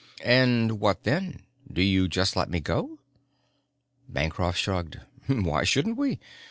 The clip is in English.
"And what then? Do you just let me go?" Bancroft shrugged. "Why shouldn't we?